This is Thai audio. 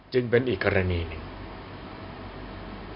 จึงเป็นอีกกรณีหนึ่ง